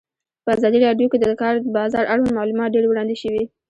په ازادي راډیو کې د د کار بازار اړوند معلومات ډېر وړاندې شوي.